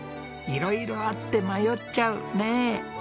いろいろあって迷っちゃうねえ。